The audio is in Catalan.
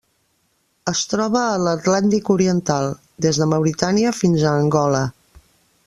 Es troba a l'Atlàntic oriental: des de Mauritània fins a Angola.